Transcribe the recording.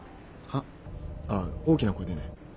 あっ大きな声でね。